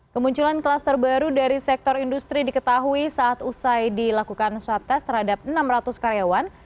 kemunculan kluster baru dari sektor industri diketahui saat usai dilakukan swab test terhadap enam ratus karyawan